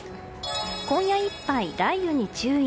今夜いっぱい雷雨に注意。